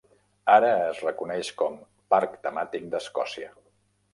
Ara es reconeix com Parc temàtic d'Escòcia.